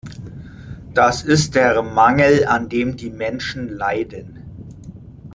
Das ist der Mangel, an dem die Menschen leiden.